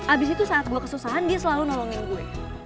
abis itu saat gue kesusahan dia selalu nolongin gue